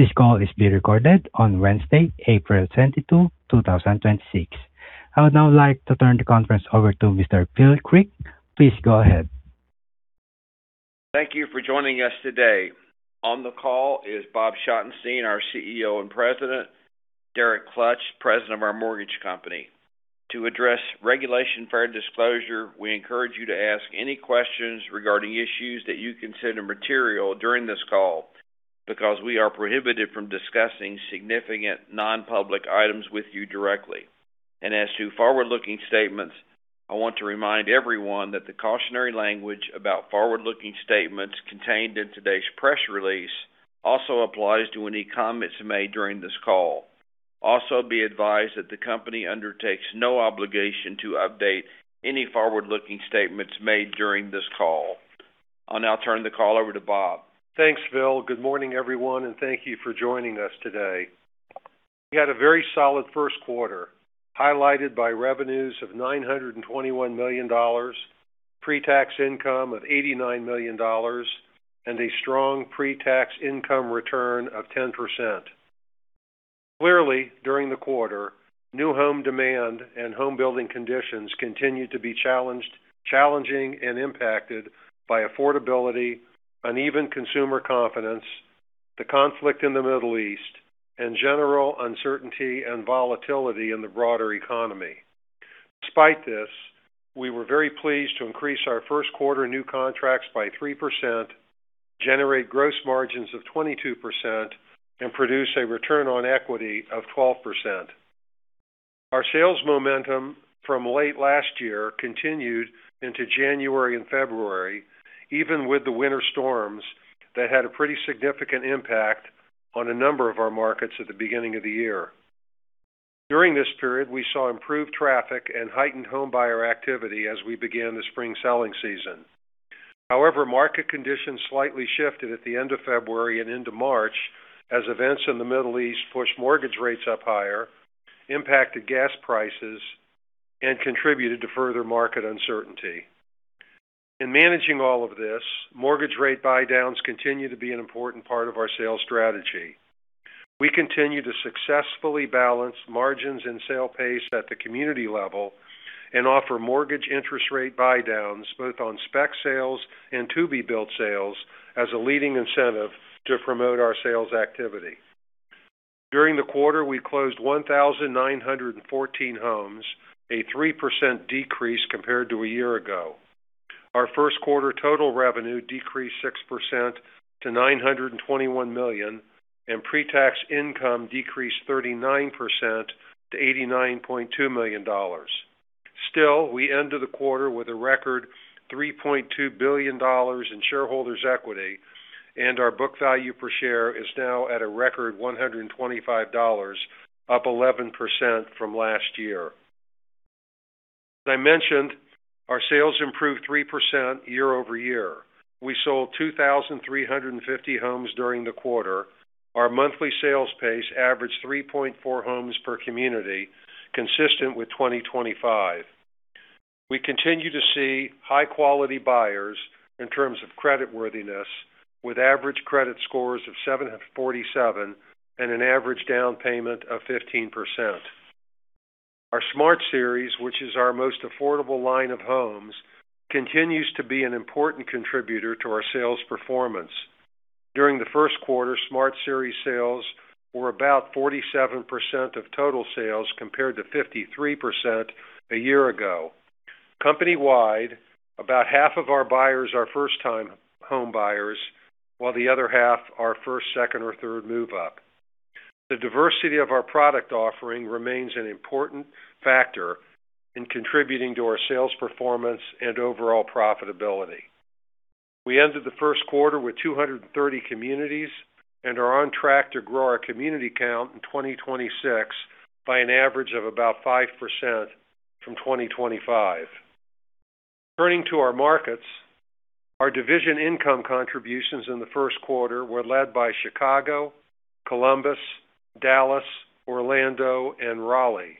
This call is being recorded on Wednesday, April 22, 2026. I would now like to turn the conference over to Mr. Phillip G. Creek. Please go ahead. Thank you for joining us today. On the call is Bob Schottenstein, our CEO and President, Derek Klutch, President of our mortgage company. To address Regulation Fair Disclosure, we encourage you to ask any questions regarding issues that you consider material during this call because we are prohibited from discussing significant non-public items with you directly. As to forward-looking statements, I want to remind everyone that the cautionary language about forward-looking statements contained in today's press release also applies to any comments made during this call. Also, be advised that the company undertakes no obligation to update any forward-looking statements made during this call. I'll now turn the call over to Bob. Thanks, Phil. Good morning, everyone, and thank you for joining us today. We had a very solid Q1, highlighted by revenues of $921 million, pre-tax income of $89 million, and a strong pre-tax income return of 10%. Clearly, during the quarter, new home demand and home building conditions continued to be challenging and impacted by affordability, uneven consumer confidence, the conflict in the Middle East, and general uncertainty and volatility in the broader economy. Despite this, we were very pleased to increase our Q1 new contracts by 3%, generate gross margins of 22%, and produce a return on equity of 12%. Our sales momentum from late last year continued into January and February, even with the winter storms that had a pretty significant impact on a number of our markets at the beginning of the year. During this period, we saw improved traffic and heightened home buyer activity as we began the spring selling season. However, market conditions slightly shifted at the end of February and into March as events in the Middle East pushed mortgage rates up higher, impacted gas prices, and contributed to further market uncertainty. In managing all of this, mortgage rate buydowns continue to be an important part of our sales strategy. We continue to successfully balance margins and sale pace at the community level and offer mortgage interest rate buydowns both on spec sales and to-be-built sales as a leading incentive to promote our sales activity. During the quarter, we closed 1,914 homes, a 3% decrease compared to a year ago. Our Q1 total revenue decreased 6% to $921 million, and pre-tax income decreased 39% to $89.2 million. Still, we ended the quarter with a record $3.2 billion in shareholders' equity, and our book value per share is now at a record $125, up 11% from last year. As I mentioned, our sales improved 3% year-over-year. We sold 2,350 homes during the quarter. Our monthly sales pace averaged 3.4 homes per community, consistent with 2025. We continue to see high-quality buyers in terms of creditworthiness, with average credit scores of 747 and an average down payment of 15%. Our Smart Series, which is our most affordable line of homes, continues to be an important contributor to our sales performance. During the Q1, Smart Series sales were about 47% of total sales, compared to 53% a year ago. Company-wide, about half of our buyers are first-time home buyers, while the other half are first, second, or third move-up. The diversity of our product offering remains an important factor in contributing to our sales performance and overall profitability. We ended the Q1 with 230 communities and are on track to grow our community count in 2026 by an average of about 5% from 2025. Turning to our markets, our division income contributions were led by Chicago, Columbus, Dallas, Orlando, and Raleigh.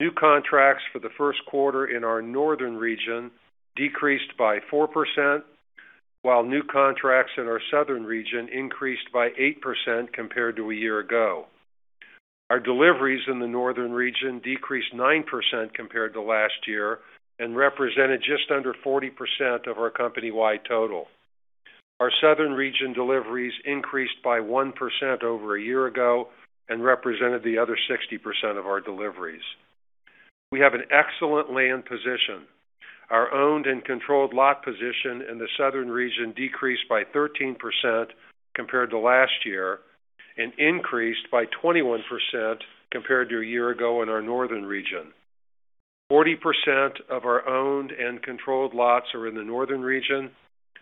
New contracts for the Q1 in our northern region decreased by 4%, while new contracts in our southern region increased by 8% compared to a year ago. Our deliveries in the northern region decreased 9% compared to last year and represented just under 40% of our company-wide total. Our southern region deliveries increased by 1% over a year ago and represented the other 60% of our deliveries. We have an excellent land position. Our owned and controlled lot position in the southern region decreased by 13% compared to last year and increased by 21% compared to a year ago in our northern region. 40% of our owned and controlled lots are in the northern region,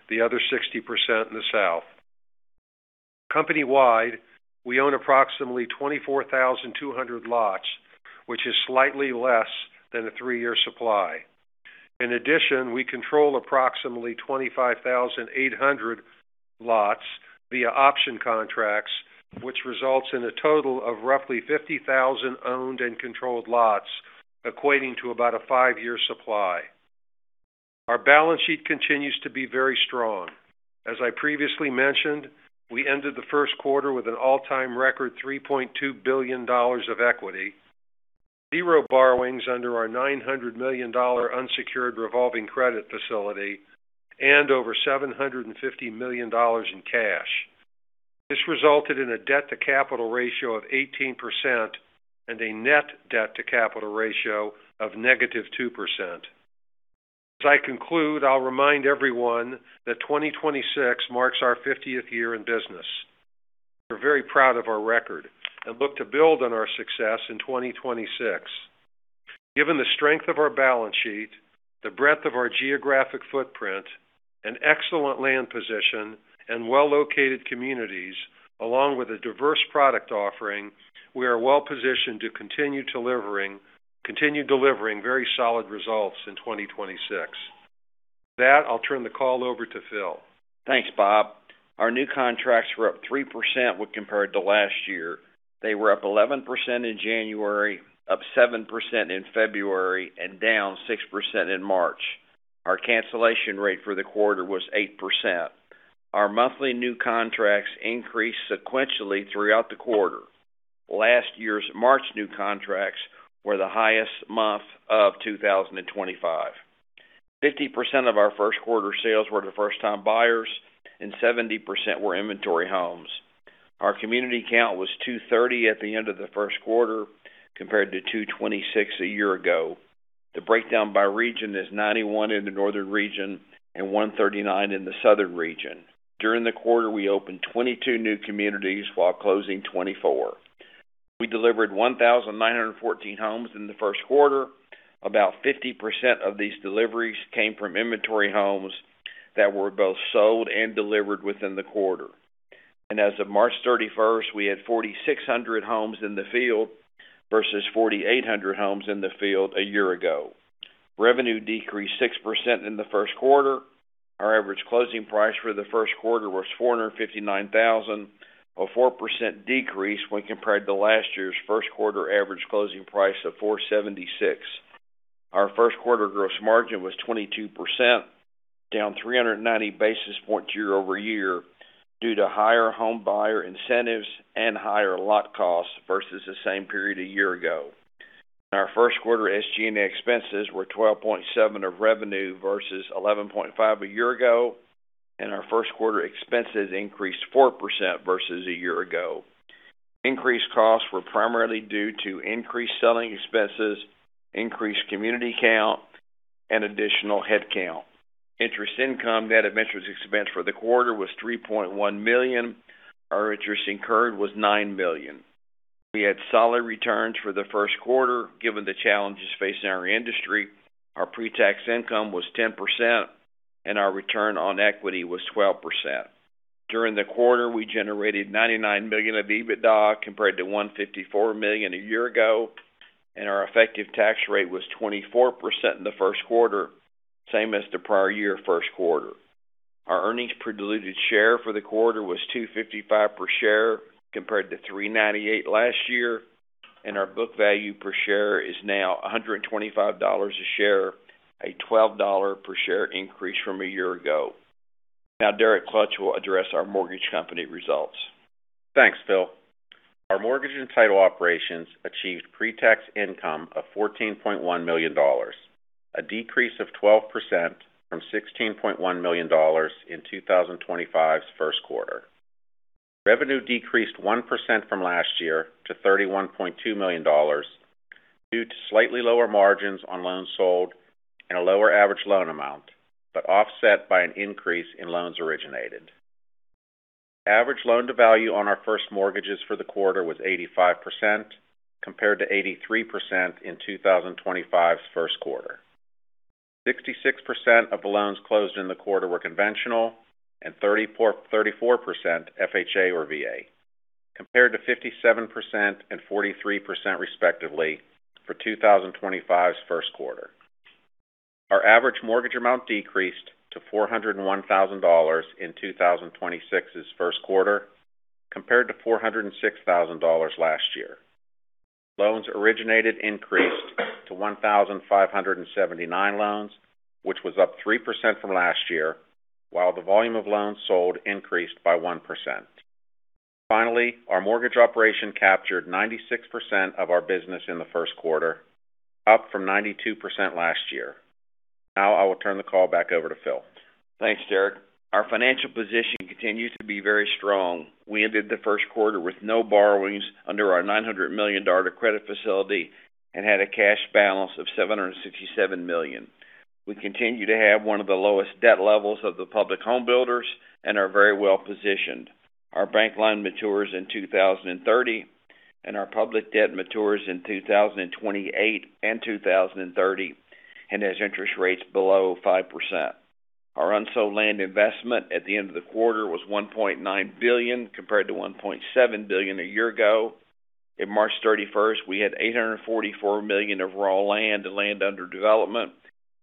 the other 60% in the south. Company-wide, we own approximately 24,200 lots, which is slightly less than a three-year supply. In addition, we control approximately 25,800 lots via option contracts, which results in a total of roughly 50,000 owned and controlled lots, equating to about a five-year supply. Our balance sheet continues to be very strong. As I previously mentioned, we ended the Q1with an all-time record $3.2 billion of equity, zero borrowings under our $900 million unsecured revolving credit facility, and over $750 million in cash. This resulted in a debt-to-capital ratio of 18% and a net debt-to-capital ratio of negative 2%. As I conclude, I'll remind everyone that 2026 marks our 50th year in business. We're very proud of our record and look to build on our success in 2026. Given the strength of our balance sheet, the breadth of our geographic footprint, an excellent land position, and well-located communities, along with a diverse product offering, we are well positioned to continue delivering very solid results in 2026. With that, I'll turn the call over to Phil. Thanks, Bob. Our new contracts were up 3% when compared to last year. They were up 11% in January, up 7% in February, and down 6% in March. Our cancellation rate for the quarter was 8%. Our monthly new contracts increased sequentially throughout the quarter. Last year's March new contracts were the highest month of 2025. 50% of our Q1sales were to first-time buyers and 70% were inventory homes. Our community count was 230 at the end of the Q1, compared to 226 a year ago. The breakdown by region is 91 in the northern region and 139 in the southern region. During the quarter, we opened 22 new communities while closing 24. We delivered 1,914 homes in the Q1. About 50% of these deliveries came from inventory homes that were both sold and delivered within the quarter. As of March 31st, we had 4,600 homes in the field versus 4,800 homes in the field a year ago. Revenue decreased 6% in the Q1. Our average closing price for the Q1 was $459,000, a 4% decrease when compared to last year's Q1 average closing price of $476,000. Our Q1 gross margin was 22%, down 390 basis points year-over-year due to higher home buyer incentives and higher lot costs versus the same period a year ago. Our Q1 SG&A expenses were 12.7% of revenue versus 11.5% a year ago, and our Q1 expenses increased 4% versus a year ago. Increased costs were primarily due to increased selling expenses, increased community count, and additional headcount. Interest income net of interest expense for the quarter was $3.1 million. Our interest incurred was $9 million. We had solid returns for the Q1, given the challenges facing our industry. Our pre-tax income was 10%, and our return on equity was 12%. During the quarter, we generated $99 million of EBITDA compared to $154 million a year ago, and our effective tax rate was 24% in the Q1, same as the prior year Q1. Our earnings per diluted share for the quarter was $2.55 per share compared to $3.98 last year, and our book value per share is now $125 a share, a $12 per share increase from a year ago. Now Derek Klutch will address our mortgage company results. Thanks, Phil. Our mortgage and title operations achieved pre-tax income of $14.1 million, a decrease of 12% from $16.1 million in 2025's Q1. Revenue decreased 1% from last year to $31.2 million due to slightly lower margins on loans sold and a lower average loan amount, but offset by an increase in loans originated. Average loan-to-value on our first mortgages for the quarter was 85%, compared to 83% in 2025's Q1. 66% of the loans closed in the quarter were conventional and 34% FHA or VA, compared to 57% and 43% respectively for 2025's Q1. Our average mortgage amount decreased to $401,000 in 2026's Q1compared to $406,000 last year. Loans originated increased to 1,579 loans, which was up 3% from last year, while the volume of loans sold increased by 1%. Finally, our mortgage operation captured 96% of our business in the Q1, up from 92% last year. Now I will turn the call back over to Phil. Thanks, Derek. Our financial position continues to be very strong. We ended the Q1 with no borrowings under our $900 million credit facility and had a cash balance of $767 million. We continue to have one of the lowest debt levels of the public home builders and are very well positioned. Our bank loan matures in 2030 and our public debt matures in 2028 and 2030 and has interest rates below 5%. Our unsold land investment at the end of the quarter was $1.9 billion, compared to $1.7 billion a year ago. In March 31st, we had $844 million of raw land and land under development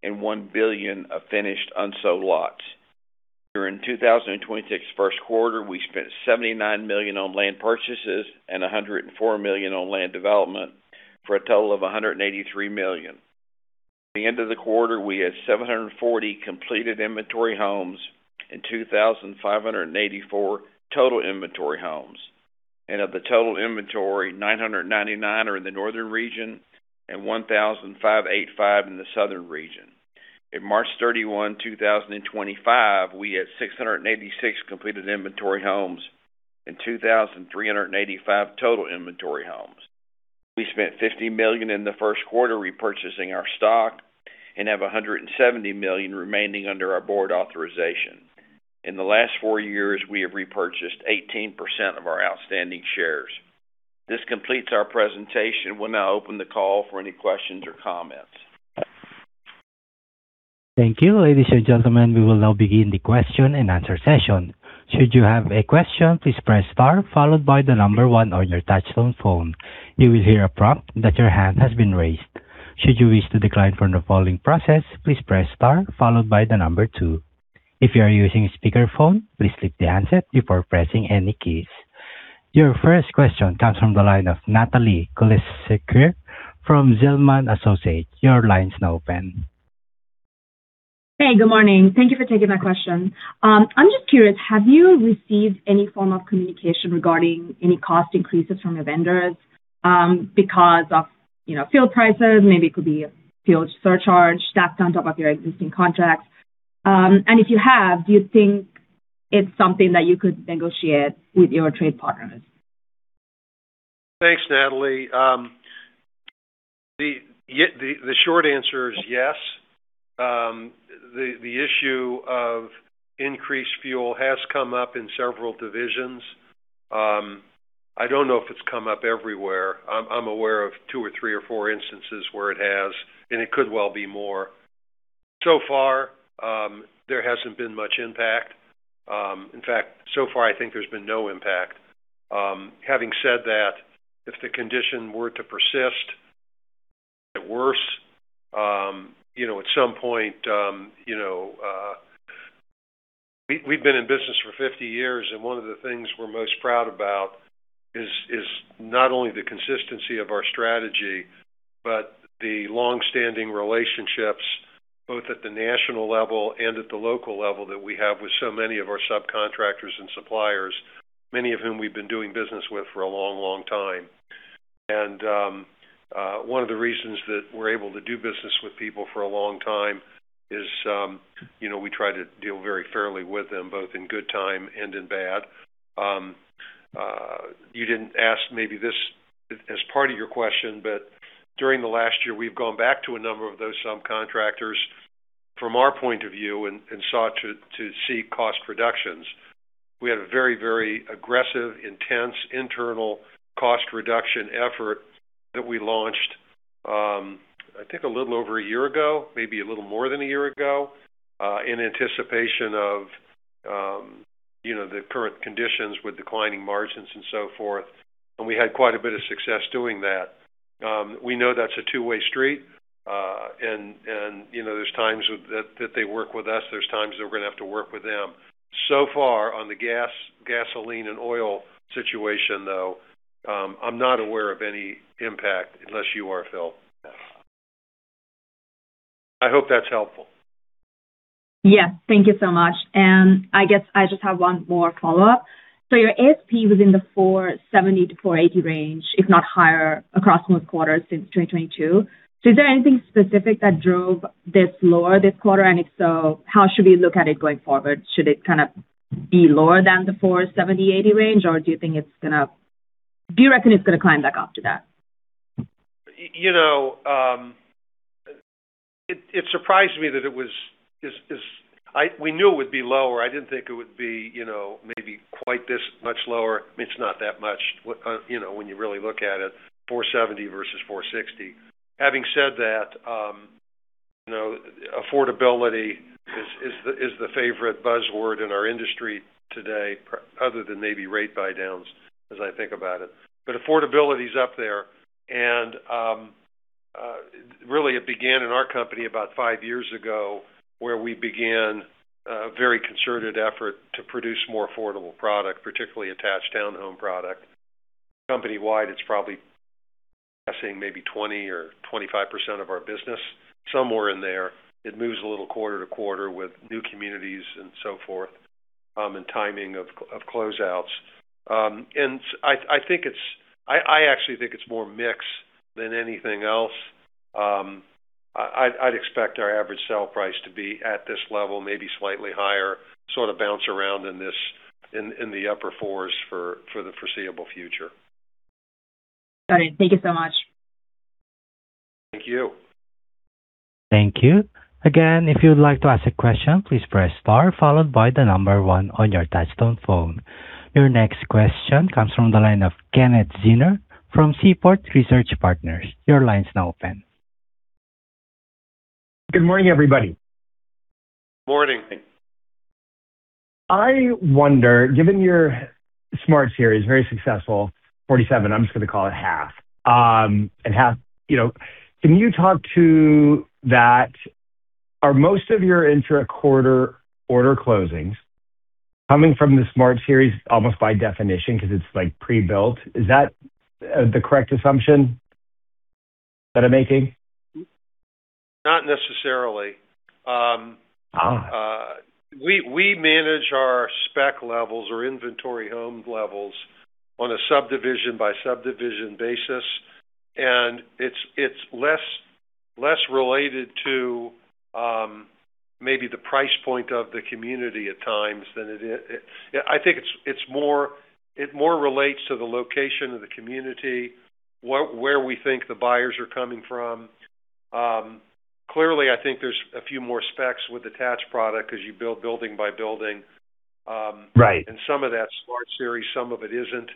and $1 billion of finished unsold lots. During 2025 Q1, we spent $79 million on land purchases and $104 million on land development for a total of $183 million. At the end of the quarter, we had 740 completed inventory homes and 2,584 total inventory homes. Of the total inventory, 999 are in the northern region and 1,585 in the southern region. As of March 31, 2025, we had 686 completed inventory homes and 2,385 total inventory homes. We spent $50 million in the Q1 repurchasing our stock and have $170 million remaining under our board authorization. In the last four years, we have repurchased 18% of our outstanding shares. This completes our presentation. We'll now open the call for any questions or comments. Thank you. Ladies and gentlemen, we will now begin the question and answer session. Should you have a question, please press star followed by one on your touchtone phone. You will hear a prompt that your hand has been raised. Should you wish to decline from the following process, please press star followed by 2. If you are using a speakerphone, please lift the handset before pressing any keys. Your first question comes from the line of Natalie Kuleszczyk from Zelman & Associates. Your line's now open. Hey, good morning. Thank you for taking my question. I'm just curious, have you received any form of communication regarding any cost increases from your vendors, because of fuel prices, maybe it could be a fuel surcharge stacked on top of your existing contracts? If you have, do you think it's something that you could negotiate with your trade partners? Thanks, Natalie. The short answer is yes. The issue of increased fuel has come up in several divisions. I don't know if it's come up everywhere. I'm aware of two or three or four instances where it has, and it could well be more. So far, there hasn't been much impact. In fact, so far, I think there's been no impact. Having said that, if the condition were to persist, get worse, at some point. We've been in business for 50 years, and one of the things we're most proud about is not only the consistency of our strategy, but the longstanding relationships, both at the national level and at the local level that we have with so many of our subcontractors and suppliers, many of whom we've been doing business with for a long, long time. One of the reasons that we're able to do business with people for a long time is, we try to deal very fairly with them, both in good time and in bad. You didn't ask maybe this as part of your question, but during the last year, we've gone back to a number of those subcontractors from our point of view and sought to seek cost reductions. We had a very, very aggressive, intense internal cost reduction effort that we launched, I think a little over a year ago, maybe a little more than a year ago, in anticipation of the current conditions with declining margins and so forth, and we had quite a bit of success doing that. We know that's a two-way street, and there's times that they work with us, there's times that we're going to have to work with them. So far on the gasoline and oil situation, though, I'm not aware of any impact unless you are, Phil. No. I hope that's helpful. Yes. Thank you so much. I guess I just have one more follow-up. Your ASP was in the 470-480 range, if not higher, across most quarters since 2022. Is there anything specific that drove this lower this quarter? If so, how should we look at it going forward? Should it kind of be lower than the 470-480 range, or do you reckon it's going to climb back up to that? It surprised me. We knew it would be lower. I didn't think it would be maybe quite this much lower. I mean, it's not that much, when you really look at it, 470 versus 460. Having said that, affordability is the favorite buzzword in our industry today, other than maybe rate buydowns, as I think about it. Affordability is up there, and really it began in our company about five years ago, where we began a very concerted effort to produce more affordable product, particularly attached town home product. Company-wide, it's probably passing maybe 20% or 25% of our business, somewhere in there. It moves a little quarter-to-quarter with new communities and so forth, and timing of closeouts. I actually think it's more mix than anything else. I'd expect our average sale price to be at this level, maybe slightly higher, sort of bounce around in the upper fours for the foreseeable future. Got it. Thank you so much. Thank you. Thank you. Again, if you would like to ask a question, please press star followed by the number one on your touchtone phone. Your next question comes from the line of Kenneth Zener from Seaport Research Partners. Your line's now open. Good morning, everybody. Morning. I wonder, given your Smart Series, very successful, 47%, I'm just going to call it half. Can you talk to that? Are most of your intra-quarter order closings coming from the Smart Series almost by definition because it's pre-built? Is that the correct assumption that I'm making? Not necessarily. Oh. We manage our spec levels or inventory home levels on a subdivision-by-subdivision basis, and it's less related to maybe the price point of the community at times than it is. I think it more relates to the location of the community, where we think the buyers are coming from. Clearly, I think there's a few more specs with attached product because you build building by building. Right. Some of that's Smart Series, some of it isn't.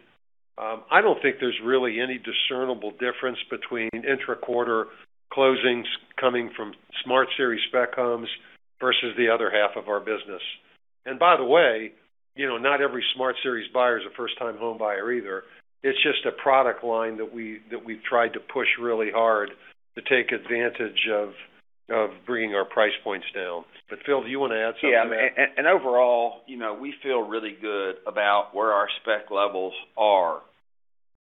I don't think there's really any discernible difference between intra-quarter closings coming from Smart Series spec homes versus the other half of our business. By the way, not every Smart Series buyer is a first-time homebuyer either. It's just a product line that we've tried to push really hard to take advantage of bringing our price points down. Phil, do you want to add something? Yeah. Overall, we feel really good about where our spec levels are.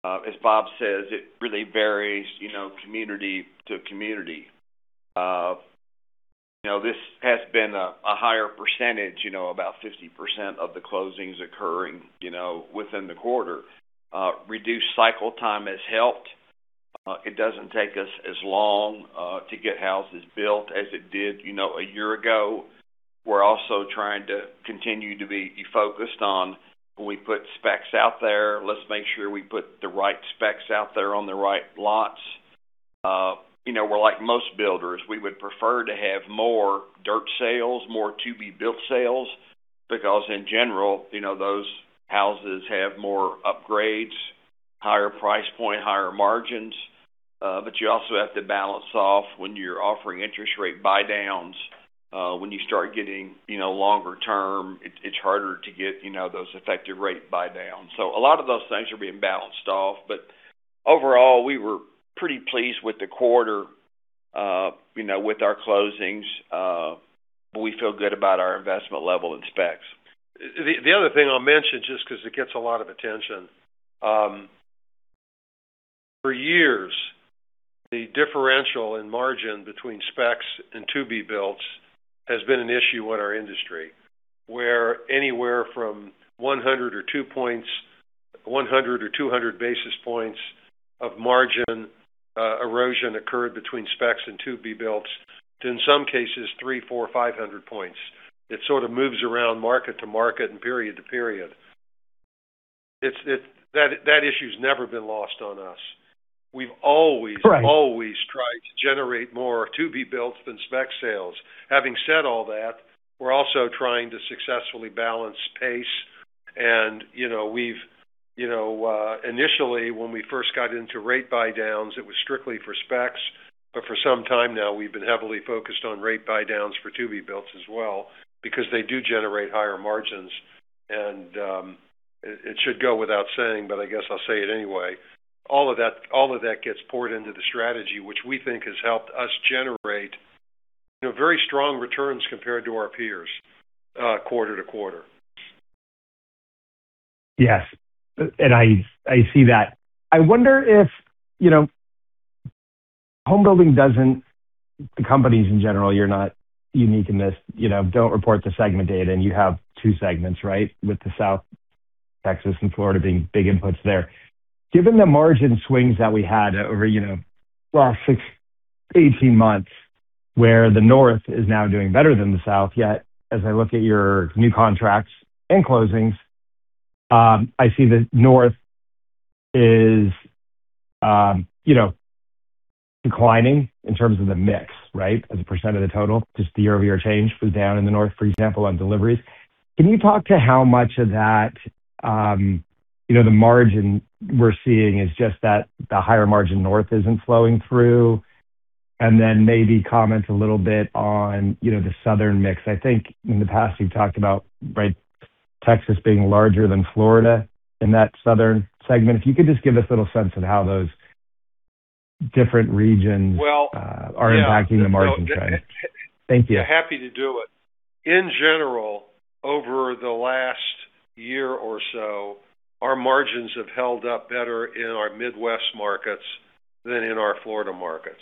As Bob says, it really varies community to community. This has been a higher percentage, about 50% of the closings occurring within the quarter. Reduced cycle time has helped. It doesn't take us as long to get houses built as it did a year ago. We're also trying to continue to be focused on when we put specs out there, let's make sure we put the right specs out there on the right lots. We're like most builders. We would prefer to have more dirt sales, more to-be-built sales, because in general, those houses have more upgrades, higher price point, higher margins. But you also have to balance off when you're offering interest rate buydowns, when you start getting longer term, it's harder to get those effective rate buydowns. A lot of those things are being balanced off. Overall, we were pretty pleased with the quarter with our closings. We feel good about our investment level in specs. The other thing I'll mention, just because it gets a lot of attention. For years, the differential in margin between specs and to-be-builts has been an issue in our industry, where anywhere from 100 or 200 basis points of margin erosion occurred between specs and to-be-builts, to in some cases, three, four, 500 points. It sort of moves around market to market and period to period. That issue's never been lost on us. We've always. Right Always tried to generate more to-be-builts than spec sales. Having said all that, we're also trying to successfully balance pace. We've initially when we first got into rate buydowns, it was strictly for specs. For some time now, we've been heavily focused on rate buydowns for to-be-builts as well, because they do generate higher margins. It should go without saying, but I guess I'll say it anyway. All of that gets poured into the strategy, which we think has helped us generate very strong returns compared to our peers quarter-to-quarter. Yes. I see that. I wonder if home building doesn't, the companies in general, you're not unique in this, don't report the segment data, and you have two segments, right? With the South Texas and Florida being big inputs there. Given the margin swings that we had over the last 18 months, where the North is now doing better than the South, yet as I look at your new contracts and closings, I see the North is declining in terms of the mix, right, as a % of the total, just the year-over-year change down in the North, for example, on deliveries. Can you talk to how much of that, the margin we're seeing is just that the higher margin North isn't flowing through? Maybe comment a little bit on the Southern mix. I think in the past, you've talked about Texas being larger than Florida in that Southern segment. If you could just give us a little sense of how those different regions? Well-... are impacting the margin trends. Thank you. Happy to do it. In general, over the last year or so, our margins have held up better in our Midwest markets than in our Florida markets.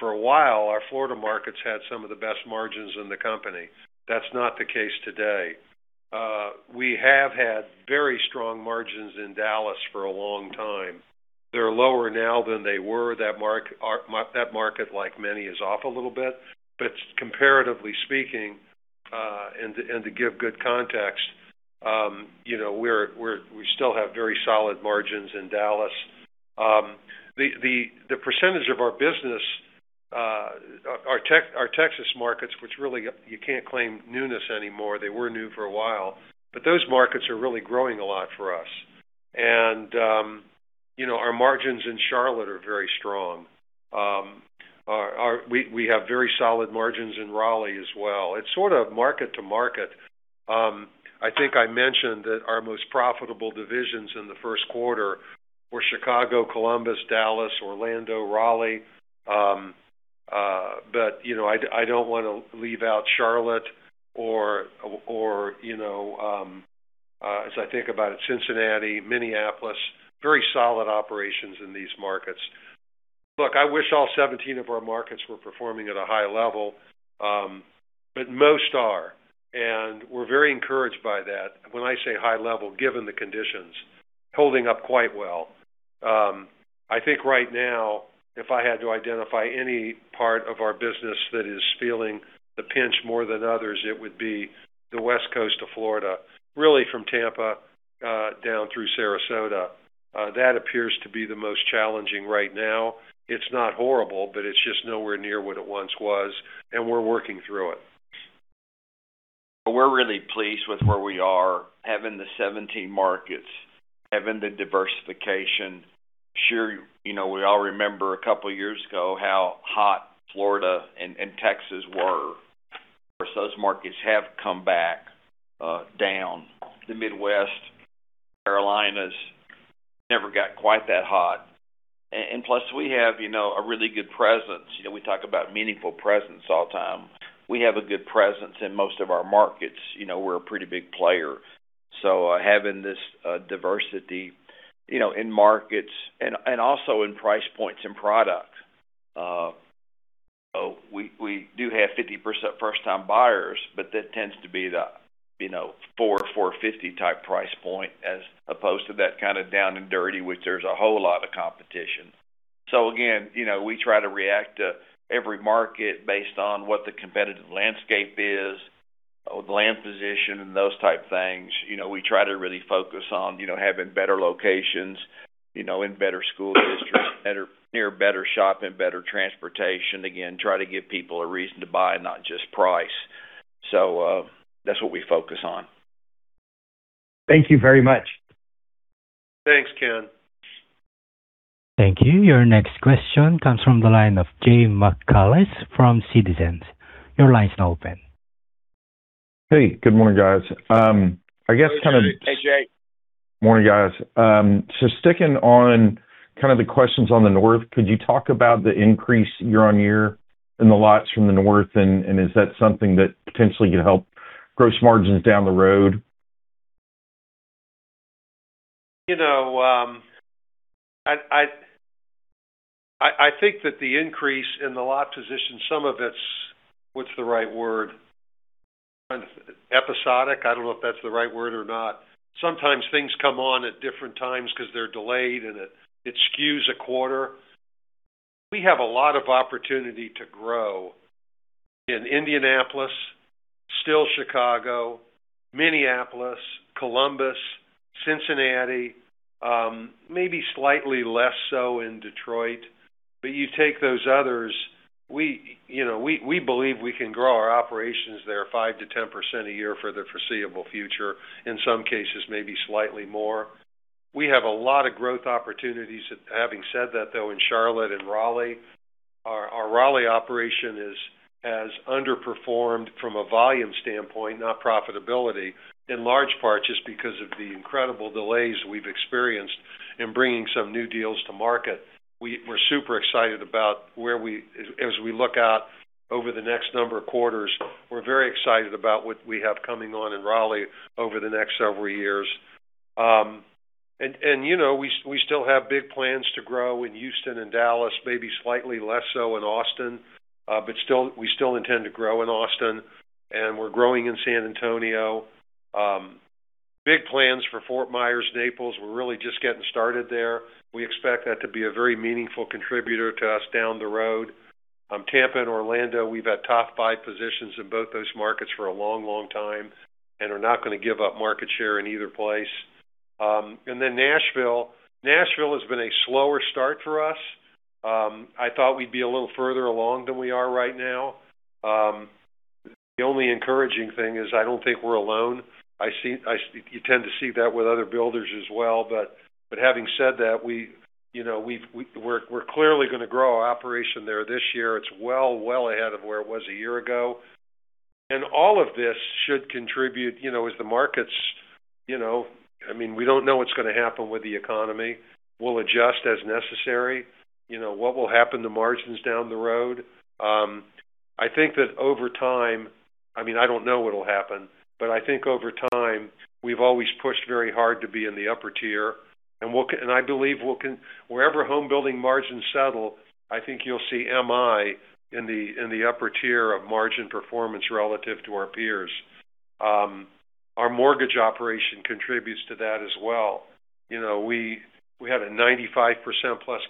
For a while, our Florida markets had some of the best margins in the company. That's not the case today. We have had very strong margins in Dallas for a long time. They're lower now than they were. That market, like many, is off a little bit. Comparatively speaking, and to give good context, we still have very solid margins in Dallas. The percentage of our business, our Texas markets, which really you can't claim newness anymore. They were new for a while, but those markets are really growing a lot for us. Our margins in Charlotte are very strong. We have very solid margins in Raleigh as well. It's sort of market to market. I think I mentioned that our most profitable divisions in the Q1 were Chicago, Columbus, Dallas, Orlando, Raleigh. I don't want to leave out Charlotte or, as I think about it, Cincinnati, Minneapolis, very solid operations in these markets. Look, I wish all 17 of our markets were performing at a high level, but most are, and we're very encouraged by that. When I say high level, given the conditions, holding up quite well. I think right now, if I had to identify any part of our business that is feeling the pinch more than others, it would be the West Coast of Florida, really from Tampa, down through Sarasota. That appears to be the most challenging right now. It's not horrible, but it's just nowhere near what it once was, and we're working through it. We're really pleased with where we are, having the 17 markets, having the diversification. Sure, we all remember a couple of years ago how hot Florida and Texas were. Of course, those markets have come back down. The Midwest, Carolinas never got quite that hot. Plus, we have a really good presence. We talk about meaningful presence all the time. We have a good presence in most of our markets. We're a pretty big player, having this diversity in markets and also in price points and products. We do have 50% first-time buyers, but that tends to be the $400,000-$450,000 type price point as opposed to that kind of down and dirty, which there's a whole lot of competition. Again, we try to react to every market based on what the competitive landscape is, with land position and those type things. We try to really focus on having better locations, in better school districts, near better shopping, better transportation. Again, try to give people a reason to buy, not just price. That's what we focus on. Thank you very much. Thanks, Ken. Thank you. Your next question comes from the line of Jay McCanless from Citizens. Your line is now open. Hey, good morning, guys. Hey, Jay. Hey, Jay. Morning, guys. Sticking on kind of the questions on the North, could you talk about the increase year-on-year in the lots from the North, and is that something that potentially could help gross margins down the road? I think that the increase in the lot position, some of it's, what's the right word? Episodic. I don't know if that's the right word or not. Sometimes things come on at different times because they're delayed, and it skews a quarter. We have a lot of opportunity to grow in Indianapolis, still Chicago, Minneapolis, Columbus, Cincinnati, maybe slightly less so in Detroit. You take those others, we believe we can grow our operations there 5%-10% a year for the foreseeable future, in some cases, maybe slightly more. We have a lot of growth opportunities. Having said that, though, in Charlotte and Raleigh, our Raleigh operation has underperformed from a volume standpoint, not profitability, in large part just because of the incredible delays we've experienced in bringing some new deals to market. We're super excited about, as we look out over the next number of quarters, we're very excited about what we have coming on in Raleigh over the next several years. We still have big plans to grow in Houston and Dallas, maybe slightly less so in Austin. We still intend to grow in Austin, and we're growing in San Antonio. Big plans for Fort Myers, Naples. We're really just getting started there. We expect that to be a very meaningful contributor to us down the road. Tampa and Orlando, we've had top five positions in both those markets for a long, long time and are not going to give up market share in either place. Then Nashville. Nashville has been a slower start for us. I thought we'd be a little further along than we are right now. The only encouraging thing is I don't think we're alone. You tend to see that with other builders as well. Having said that, we're clearly going to grow our operation there this year. It's well, well ahead of where it was a year ago. All of this should contribute as the markets. We don't know what's going to happen with the economy. We'll adjust as necessary. What will happen to margins down the road? I think that over time, I don't know what will happen, but I think over time, we've always pushed very hard to be in the upper tier. I believe wherever home building margins settle, I think you'll see M/I in the upper tier of margin performance relative to our peers. Our mortgage operation contributes to that as well. We had a 95%+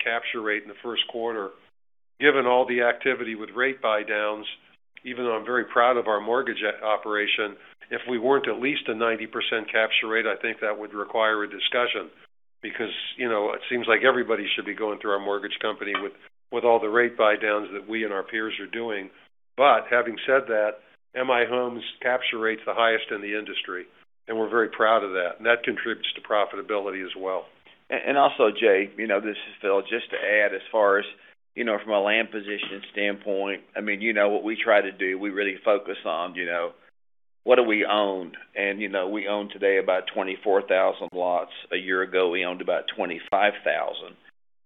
capture rate in the Q1. Given all the activity with rate buydowns, even though I'm very proud of our mortgage operation, if we weren't at least a 90% capture rate, I think that would require a discussion because it seems like everybody should be going through our mortgage company with all the rate buydowns that we and our peers are doing. Having said that, M/I Homes capture rate is the highest in the industry, and we're very proud of that. That contributes to profitability as well. Also, Jay, this is Phil. Just to add as far as from a land position standpoint, what we try to do, we really focus on what do we own? We own today about 24,000 lots. A year ago, we owned about 25,000.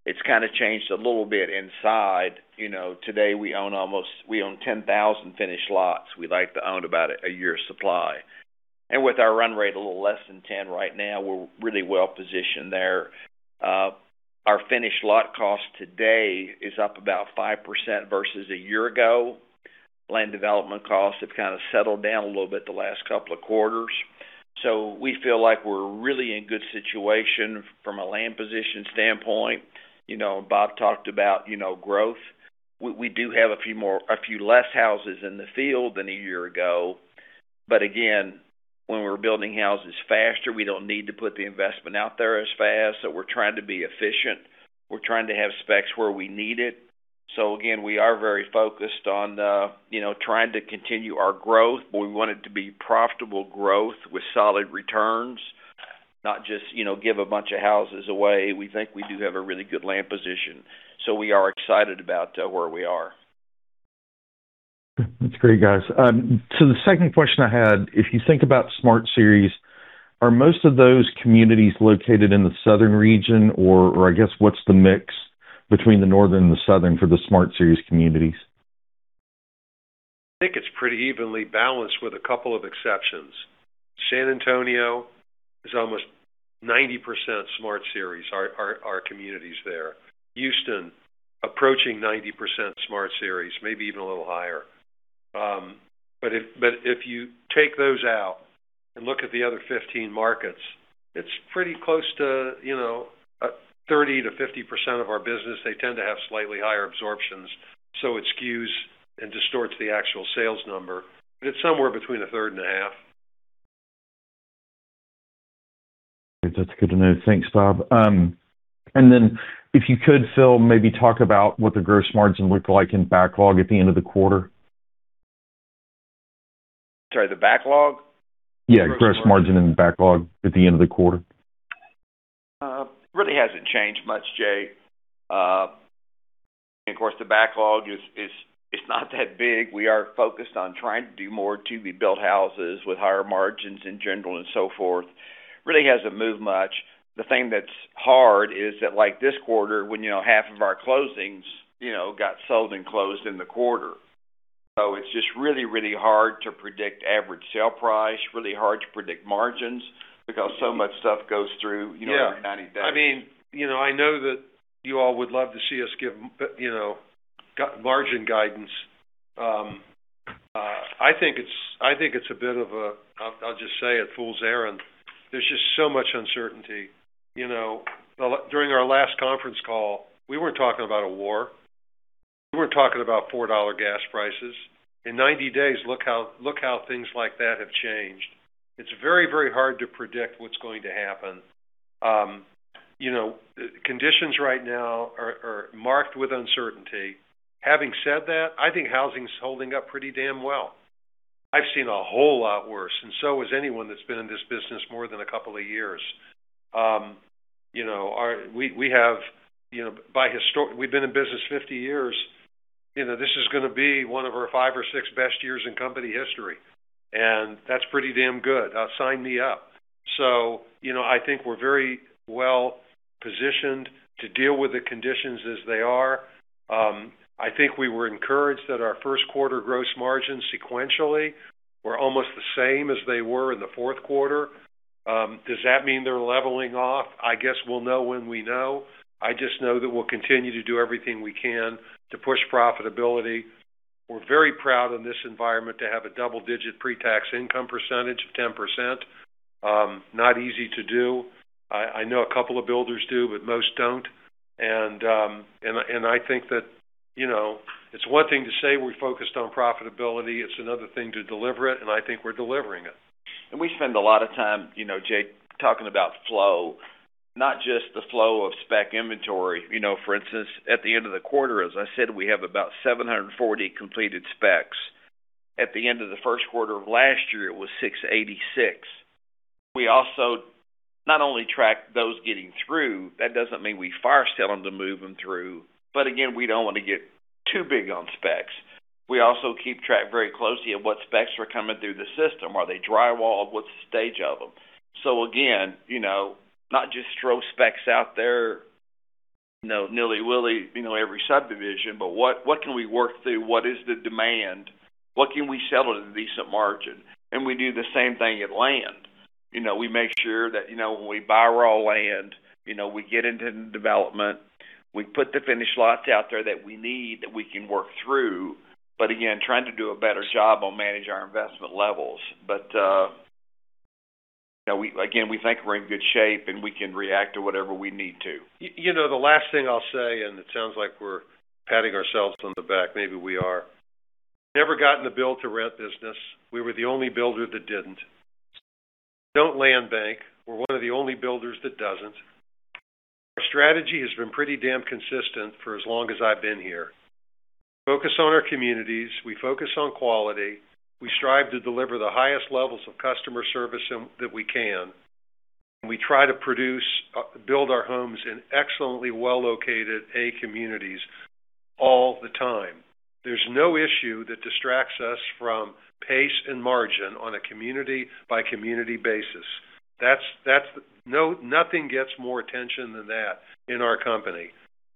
It's kind of changed a little bit inside. Today, we own 10,000 finished lots. We like to own about a year's supply. With our run rate a little less than 10 right now, we're really well positioned there. Our finished lot cost today is up about 5% versus a year ago. Land development costs have kind of settled down a little bit the last couple of quarters. We feel like we're really in good situation from a land position standpoint. Bob talked about growth. We do have a few less houses in the field than a year ago. Again, when we're building houses faster, we don't need to put the investment out there as fast. We're trying to be efficient. We're trying to have specs where we need it. Again, we are very focused on trying to continue our growth, but we want it to be profitable growth with solid returns, not just give a bunch of houses away. We think we do have a really good land position, so we are excited about where we are. That's great, guys. The second question I had, if you think about Smart Series, are most of those communities located in the southern region, or I guess, what's the mix between the northern and the southern for the Smart Series communities? I think it's pretty evenly balanced with a couple of exceptions. San Antonio is almost 90% Smart Series, our communities there. Houston, approaching 90% Smart Series, maybe even a little higher. If you take those out and look at the other 15 markets, it's pretty close to 30%-50% of our business. They tend to have slightly higher absorptions. It skews and distorts the actual sales number. It's somewhere between a third and a half. That's good to know. Thanks, Bob. If you could, Phil, maybe talk about what the gross margin looked like in backlog at the end of the quarter. Sorry, the backlog? Yeah, gross margin in the backlog at the end of the quarter. Really hasn't changed much, Jay. Of course, the backlog is not that big. We are focused on trying to do more to-be built houses with higher margins in general and so forth. Really hasn't moved much. The thing that's hard is that like this quarter when half of our closings got sold and closed in the quarter. It's just really, really hard to predict average sale price, really hard to predict margins because so much stuff goes through every 90 days. Yeah. I know that you all would love to see us give margin guidance. I think it's a bit of a, I'll just say it, fool's errand. There's just so much uncertainty. During our last conference call, we weren't talking about a war. We weren't talking about $4 gas prices. In 90 days, look how things like that have changed. It's very, very hard to predict what's going to happen. Conditions right now are marked with uncertainty. Having said that, I think housing's holding up pretty damn well. I've seen a whole lot worse, and so has anyone that's been in this business more than a couple of years. We've been in business 50 years. This is going to be one of our five or six best years in company history, and that's pretty damn good. Sign me up. I think we're very well positioned to deal with the conditions as they are. I think we were encouraged that our Q1 gross margins sequentially were almost the same as they were in the Q4. Does that mean they're leveling off? I guess we'll know when we know. I just know that we'll continue to do everything we can to push profitability. We're very proud in this environment to have a double-digit pre-tax income percentage of 10%. Not easy to do. I know a couple of builders do, but most don't, and I think that it's one thing to say we're focused on profitability. It's another thing to deliver it, and I think we're delivering it. We spend a lot of time, Jay, talking about flow, not just the flow of spec inventory. For instance, at the end of the quarter, as I said, we have about 740 completed specs. At the end of the Q1 of last year, it was 686. We also not only track those getting through, that doesn't mean we fire-sale them to move them through. Again, we don't want to get too big on specs. We also keep track very closely of what specs are coming through the system. Are they drywalled? What's the stage of them? Again, not just throw specs out there willy-nilly every subdivision, but what can we work through? What is the demand? What can we sell at a decent margin? We do the same thing at land. We make sure that when we buy raw land, we get into development. We put the finished lots out there that we need, that we can work through, trying to do a better job on manage our investment levels. We think we're in good shape, and we can react to whatever we need to. The last thing I'll say, and it sounds like we're patting ourselves on the back. Maybe we are. Never got in the build-to-rent business. We were the only builder that didn't. We don't land bank. We're one of the only builders that doesn't. Our strategy has been pretty damn consistent for as long as I've been here. We focus on our communities, we focus on quality, we strive to deliver the highest levels of customer service that we can, and we try to produce, build our homes in excellently well-located A communities all the time. There's no issue that distracts us from pace and margin on a community-by-community basis. Nothing gets more attention than that in our company.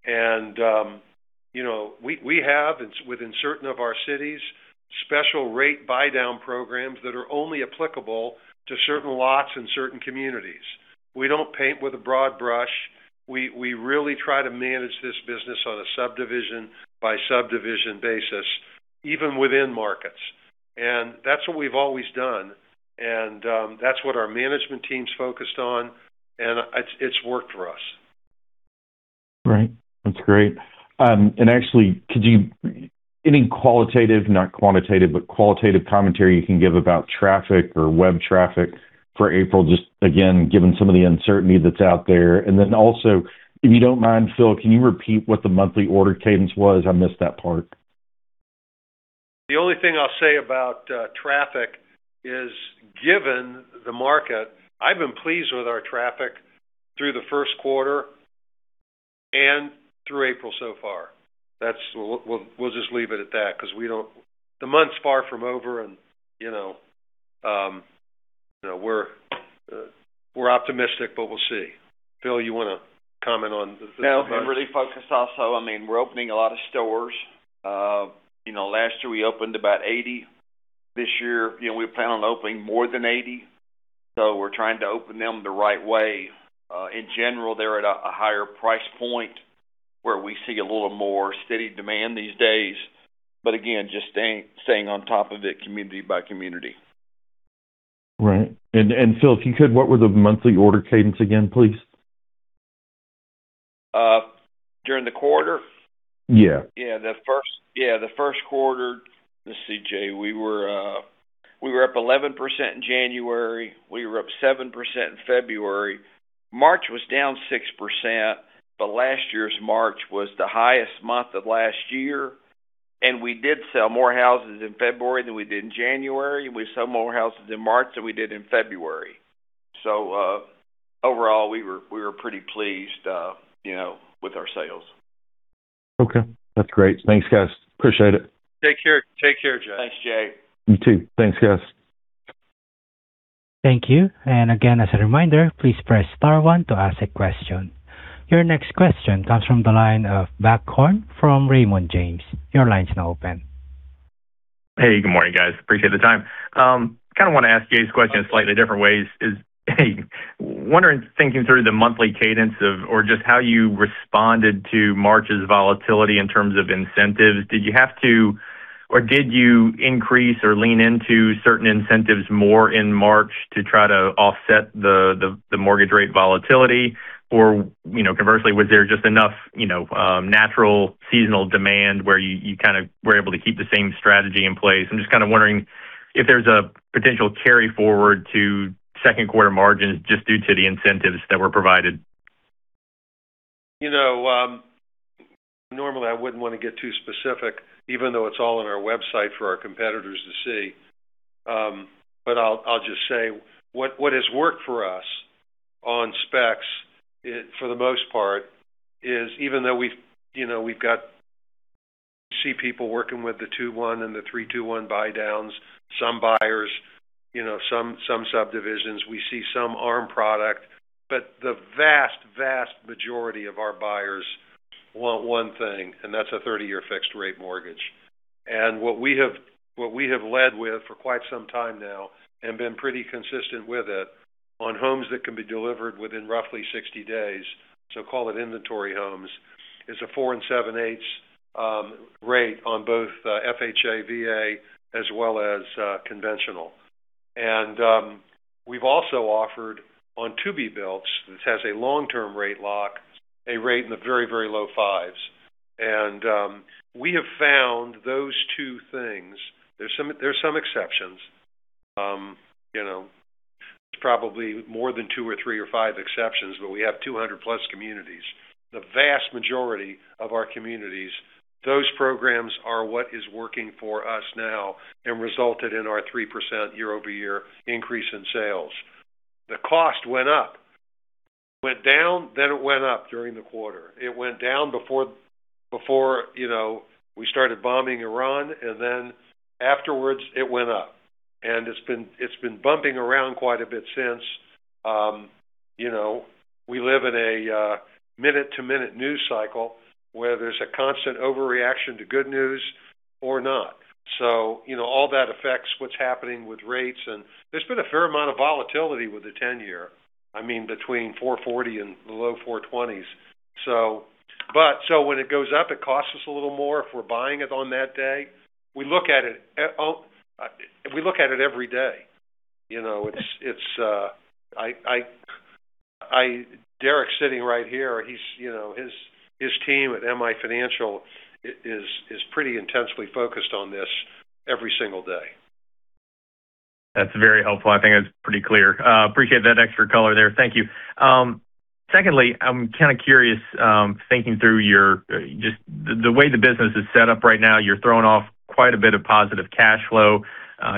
We have, within certain of our cities, special rate buydown programs that are only applicable to certain lots and certain communities. We don't paint with a broad brush. We really try to manage this business on a subdivision-by-subdivision basis, even within markets. That's what we've always done, and that's what our management team's focused on, and it's worked for us. Right. That's great. Actually, could you... Any qualitative, not quantitative, but qualitative commentary you can give about traffic or web traffic for April, just again, given some of the uncertainty that's out there. Also, if you don't mind, Phil, can you repeat what the monthly order cadence was? I missed that part. The only thing I'll say about traffic is, given the market, I've been pleased with our traffic through the Q1 and through April so far. We'll just leave it at that, because the month's far from over and we're optimistic, but we'll see. Phil, you want to comment on this? No, we really focus also. We're opening a lot of stores. Last year, we opened about 80. This year, we plan on opening more than 80. We're trying to open them the right way. In general, they're at a higher price point where we see a little more steady demand these days. Again, just staying on top of it, community by community. Right. Phil, if you could, what were the monthly order cadence again, please? During the quarter? Yeah. Yeah. The Q1, let's see, Jay, we were up 11% in January. We were up 7% in February. March was down 6%, but last year's March was the highest month of last year, and we did sell more houses in February than we did in January. We sold more houses in March than we did in February. Overall, we were pretty pleased with our sales. Okay. That's great. Thanks, guys. Appreciate it. Take care. Take care, Jay. Thanks, Jay. You too. Thanks, guys. Thank you. Again, as a reminder, please press star one to ask a question. Your next question comes from the line of Buck Horne from Raymond James. Your line is now open. Hey, good morning, guys. I appreciate the time. I kind of want to ask Jay this question in slightly different ways. I'm wondering, thinking through the monthly cadence of, or just how you responded to March's volatility in terms of incentives. Did you have to or did you increase or lean into certain incentives more in March to try to offset the mortgage rate volatility? Or conversely, was there just enough natural seasonal demand where you kind of were able to keep the same strategy in place? I'm just kind of wondering if there's a potential carry forward to Q2 margins just due to the incentives that were provided. Normally, I wouldn't want to get too specific, even though it's all on our website for our competitors to see. I'll just say what has worked for us on specs, for the most part, is even though we see people working with the 2-1 and the 3-2-1 buydowns, some buyers, some subdivisions, we see some ARM product, but the vast majority of our buyers want one thing, and that's a 30-year fixed-rate mortgage. What we have led with for quite some time now and been pretty consistent with it on homes that can be delivered within roughly 60 days, so call it inventory homes, is a 4 7/8 rate on both FHA, VA, as well as conventional. We've also offered on to-be builts, which has a long-term rate lock, a rate in the very low fives. We have found those two things. There's some exceptions. It's probably more than two or three or five exceptions, but we have 200+ communities. The vast majority of our communities, those programs are what is working for us now and resulted in our 3% year-over-year increase in sales. The cost went up. It went down, then it went up during the quarter. It went down before we started bombing Iran, and then afterwards it went up. It's been bumping around quite a bit since. We live in a minute-to-minute news cycle where there's a constant overreaction to good news or not. All that affects what's happening with rates, and there's been a fair amount of volatility with the 10-year. Between 440 and the low 420s. When it goes up, it costs us a little more if we're buying it on that day. We look at it every day. Derek's sitting right here. His team at M/I Financial is pretty intensely focused on this every single day. That's very helpful. I think that's pretty clear. Appreciate that extra color there. Thank you. Secondly, I'm kind of curious, thinking through the way the business is set up right now, you're throwing off quite a bit of positive cash flow.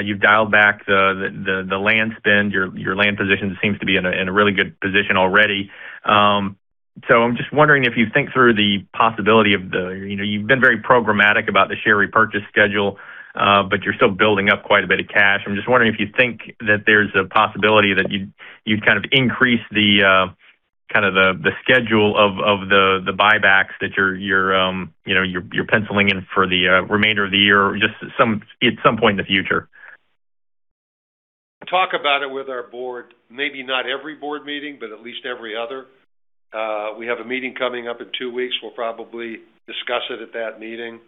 You've dialed back the land spend. Your land position seems to be in a really good position already. So I'm just wondering if you think through the possibility. You've been very programmatic about the share repurchase schedule, but you're still building up quite a bit of cash. I'm just wondering if you think that there's a possibility that you'd increase the schedule of the buybacks that you're penciling in for the remainder of the year or just at some point in the future. Talk about it with our board, maybe not every board meeting, but at least every other. We have a meeting coming up in two weeks. We'll probably discuss it at that meeting.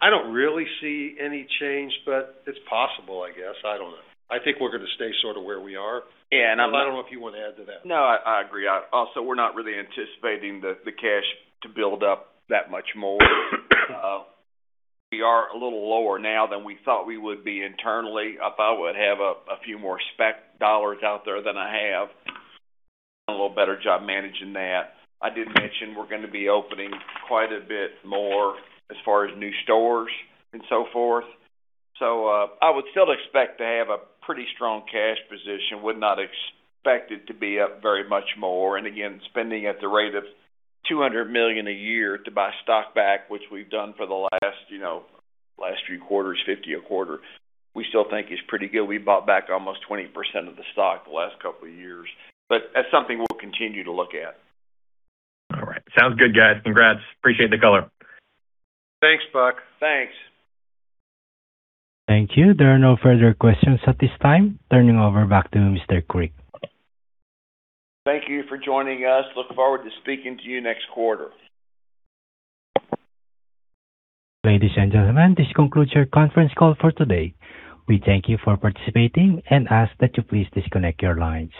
I don't really see any change, but it's possible, I guess. I don't know. I think we're going to stay sort of where we are. Yeah. I don't know if you want to add to that. No, I agree. Also, we're not really anticipating the cash to build up that much more. We are a little lower now than we thought we would be internally. I thought I would have a few more spec dollars out there than I have. I've done a little better job managing that. I did mention we're going to be opening quite a bit more as far as new starts and so forth. I would still expect to have a pretty strong cash position, would not expect it to be up very much more. Again, spending at the rate of $200 million a year to buy stock back, which we've done for the last few quarters, $50 million a quarter, we still think is pretty good. We bought back almost 20% of the stock the last couple of years. That's something we'll continue to look at. All right. Sounds good, guys. Congrats. Appreciate the color. Thanks, Buck. Thanks. Thank you. There are no further questions at this time. Turning over back to Mr. Creek. Thank you for joining us. I look forward to speaking to you next quarter. Ladies and gentlemen, this concludes your conference call for today. We thank you for participating and ask that you please disconnect your lines.